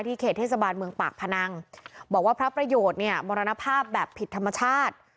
เขตเทศบาลเมืองปากพนังบอกว่าพระประโยชน์เนี่ยมรณภาพแบบผิดธรรมชาติ